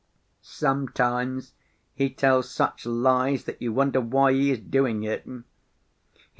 Sometimes he tells such lies that you wonder why he is doing it.